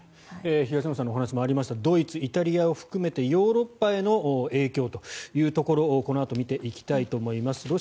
東野さんの話にもありましたドイツ、イタリアを含めてヨーロッパへの影響をこのあと見ていきたいと思います。